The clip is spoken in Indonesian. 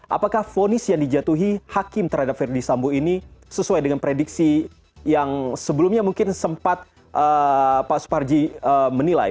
apakah fonis yang dijatuhi hakim terhadap verdi sambo ini sesuai dengan prediksi yang sebelumnya mungkin sempat pak suparji menilai